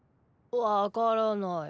わからない。